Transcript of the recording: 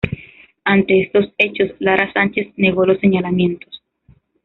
Ante estos hechos Lara sanchez negó los señalamientos.